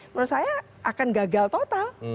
menurut saya akan gagal total